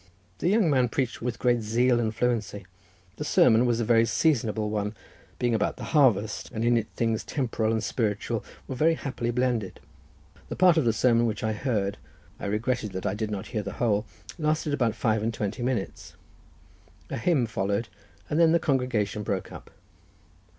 The young man preached with great zeal and fluency. The sermon was a very seasonable one, being about the harvest, and in it things temporal and spiritual were very happily blended. The part of the sermon which I heard—I regretted that I did not hear the whole—lasted about five and twenty minutes: a hymn followed, and then the congregation broke up.